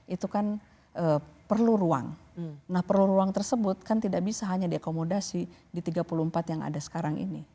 itu kan perlu ruang nah perlu ruang tersebut kan tidak bisa hanya diakomodasi di tiga puluh empat yang ada sekarang ini